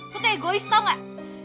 lo tuh egois tau gak